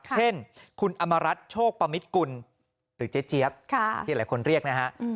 เช่นคุณอมรัฐโชคปมิตกุลหรือเจ๊เจี๊ยบที่หลายคนเรียกนะฮะ